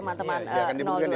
nanti di mk kita lihat